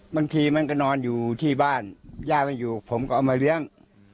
บางทีมันก็นอนอยู่ที่บ้านย่าไม่อยู่ผมก็เอามาเลี้ยง